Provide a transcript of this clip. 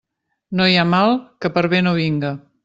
No hi ha mal que per bé no vinga.